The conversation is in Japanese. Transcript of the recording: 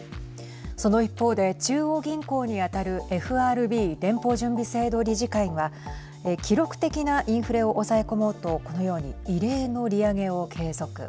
その一方で中央銀行に当たるＦＲＢ＝連邦準備制度理事会は記録的なインフレを抑え込もうとこのように異例の利上げを継続。